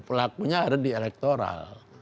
pelakunya harus di electoral